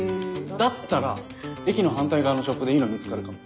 だったら駅の反対側のショップでいいの見つかるかも。